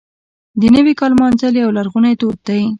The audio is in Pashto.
د نوي کال لمانځل یو لرغونی دود دی.